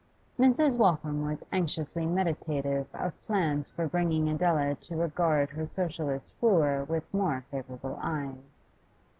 Mrs. Waltham was anxiously meditative of plans for bringing Adela to regard her Socialist wooer with more favourable eyes.